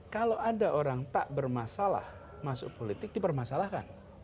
kalau ada orang yang tidak bermasalah masuk politik dipermasalahkan